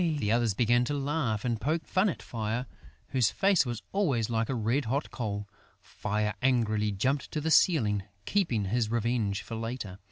The others began to laugh and poke fun at Fire, whose face was always like a red hot coal. Fire angrily jumped to the ceiling, keeping his revenge for later.